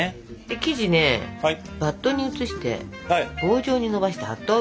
で生地ねバットに移して棒状にのばして８等分。